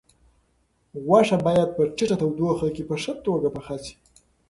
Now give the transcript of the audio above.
غوښه باید په ټیټه تودوخه کې په ښه توګه پخه شي.